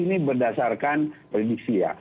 ini berdasarkan prediksi ya